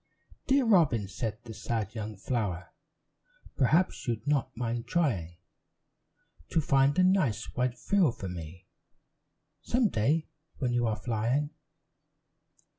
"Dear Robin," said the sad young flower, "Perhaps you'd not mind trying To find a nice white frill for me, Some day when you are flying?"